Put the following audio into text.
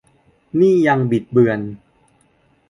นี่ยัง "บิดเบือน"